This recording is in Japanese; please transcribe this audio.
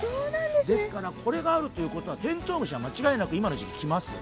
ですから、これがあるということはテントウムシが間違いなく今の時期、来ますよ。